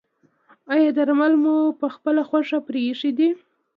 ایا درمل مو پخپله خوښه پریښي دي؟